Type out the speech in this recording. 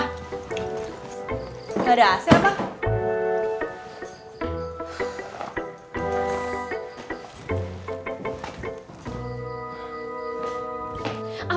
gak ada ac apa